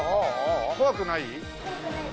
怖くない？